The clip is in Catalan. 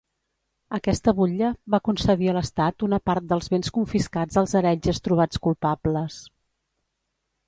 Aquesta butlla va concedir a l'Estat una part dels béns confiscats als heretges trobats culpables.